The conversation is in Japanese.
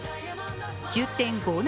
１０．５７